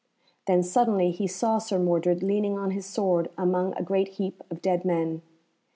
Then suddenly he saw Sir Mordred leaning on his sword among a great heap of dead men.